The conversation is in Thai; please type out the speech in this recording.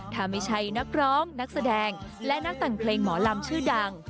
ถ้าไม่ใช่นักร้องนักแสดงและนักแต่งเพลงหมอลำชื่อดัง